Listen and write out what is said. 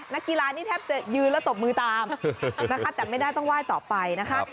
นักกีฬานี่แทบจะยืนแล้วตบมือตามนะคะแต่ไม่ได้ต้องไหว้ต่อไปนะคะ